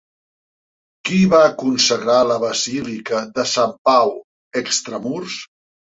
Qui va consagrar la basílica de Sant Pau Extramurs?